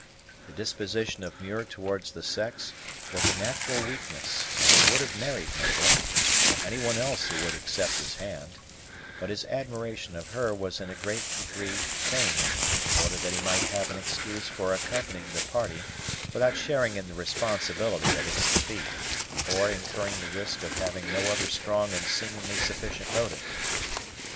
The disposition of Muir towards the sex was a natural weakness, and he would have married Mabel, or any one else who would accept his hand; but his admiration of her was in a great degree feigned, in order that he might have an excuse for accompanying the party without sharing in the responsibility of its defeat, or incurring the risk of having no other strong and seemingly sufficient motive.